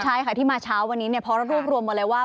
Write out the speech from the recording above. ใช่ค่ะที่มาเช้าวันนี้เพราะรวบรวมมาเลยว่า